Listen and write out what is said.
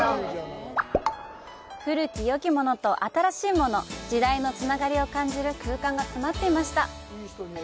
古きよきものと新しいもの、時代のつながりを感じる空間が詰まっていました！